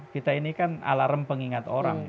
kita ini kan alarm pengingat orang